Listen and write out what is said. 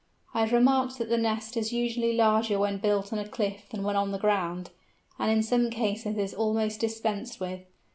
I have remarked that the nest is usually larger when built on a cliff than when on the ground, and in some cases is almost dispensed with.